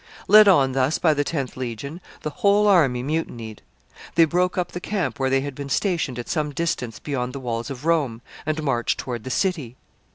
Led on thus by the tenth legion, the whole army mutinied. They broke up the camp where they had been stationed at some distance beyond the walls of Rome, and marched toward the city.